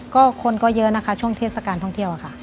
ก็คนก็เยอะนะคะช่วงเทศกาลท่องเที่ยวค่ะ